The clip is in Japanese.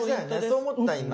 そう思った今。